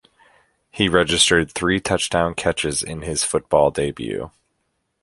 He registered three touchdown catches in his football debut.